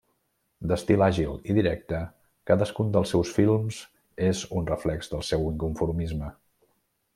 D'estil àgil i directe, cadascun dels seus films és un reflex del seu inconformisme.